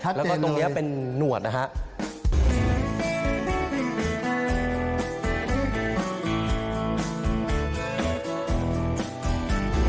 แล้วก็ตรงนี้เป็นหนวดนะครับ